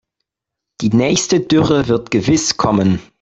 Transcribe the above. Die nächste Dürre wird gewiss kommen.